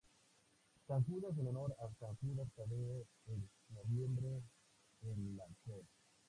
San Judas en honor a San Judas Tadeo; En noviembre en la Col.